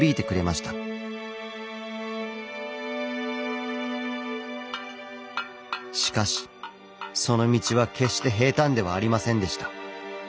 しかしその道は決して平たんではありませんでした。